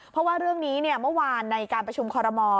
เพราะว่าเรื่องนี้เมื่อวานในการประชุมคอรมอล